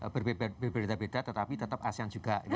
berbeda beda tetapi tetap asean juga